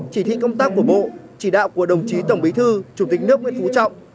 chỉ thị công tác của bộ chỉ đạo của đồng chí tổng bí thư chủ tịch nước nguyễn phú trọng